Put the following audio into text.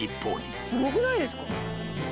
すごくないですか？